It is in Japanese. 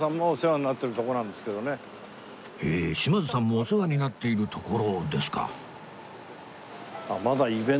え島津さんもお世話になっている所ですか